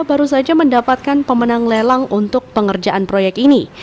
baru saja mendapatkan pemenang lelang untuk pengerjaan proyek ini